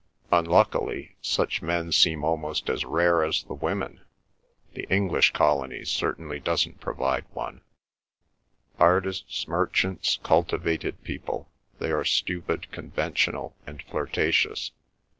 Unluckily such men seem almost as rare as the women. The English colony certainly doesn't provide one; artists, merchants, cultivated people—they are stupid, conventional, and flirtatious.